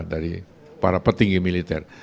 dari para petinggi militer